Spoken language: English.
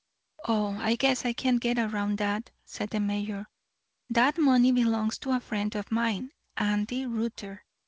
"Oh, I guess I can get around that," said the mayor. "That money belongs to a friend of mine Andy Rutter.